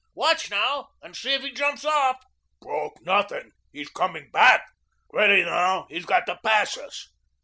Watch, now, and see if he jumps off." "Broke NOTHING. HE'S COMING BACK. Ready, now, he's got to pass us."